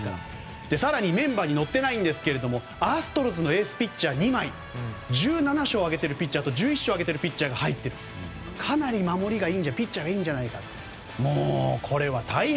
更にメンバーに載っていませんがアストロズのエースピッチャー２枚、１７勝挙げているピッチャーと１１勝挙げているピッチャーが入っているという、かなり守りピッチャーがいいんじゃないかとこれは大変。